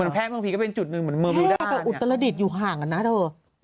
แพทย์กับอุตรดิตอยู่ห่างนะเถอะ